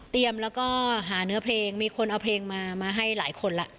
แล้วก็หาเนื้อเพลงมีคนเอาเพลงมามาให้หลายคนละ